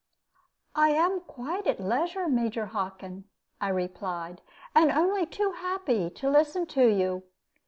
"I am quite at leisure, Major Hockin," I replied, "and only too happy to listen to you."